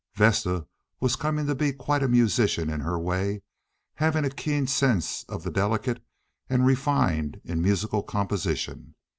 _ Vesta was coming to be quite a musician in her way, having a keen sense of the delicate and refined in musical composition.